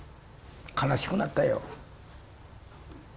悲しくなったよ。